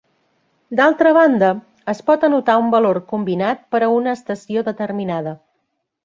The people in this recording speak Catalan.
D'altra banda, es pot anotar un valor combinat per a una estació determinada.